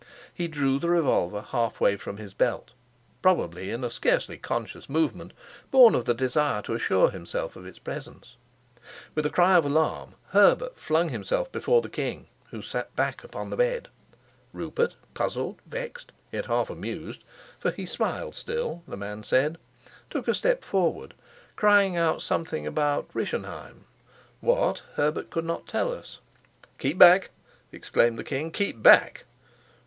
He drew the revolver halfway from his belt, probably in a scarcely conscious movement, born of the desire to assure himself of its presence. With a cry of alarm Herbert flung himself before the king, who sank back on the bed. Rupert, puzzled, vexed, yet half amused (for he smiled still, the man said), took a step forward, crying out something about Rischenheim what, Herbert could not tell us. "Keep back," exclaimed the king. "Keep back."